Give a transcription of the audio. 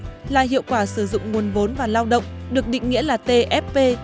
ngoài hiệu quả sử dụng nguồn vốn và lao động được định nghĩa là tfp